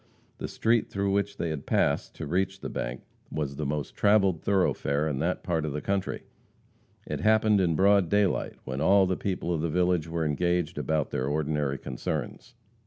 The street through which they passed to reach the bank was the most traveled thoroughfare in that part of the country. It happened in broad daylight, when all the people of the village were engaged about their ordinary concerns.